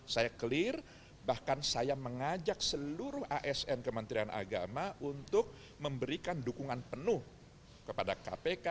saya clear bahkan saya mengajak seluruh asn kementerian agama untuk memberikan dukungan penuh kepada kpk